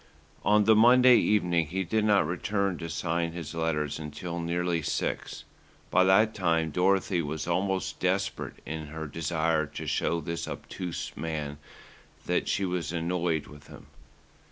On the Monday evening he did not return to sign his letters until nearly six. By that time Dorothy was almost desperate in her desire to show this obtuse man that she was annoyed with him.